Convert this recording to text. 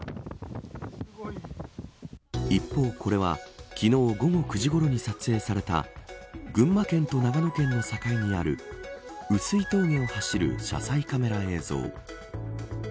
一方これは昨日午後９時ごろに撮影された群馬県と長野県の境にある碓井峠を走る車載カメラ映像。